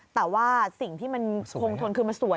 แต่ว่าสิ่งที่มันคงทนคือมันสวย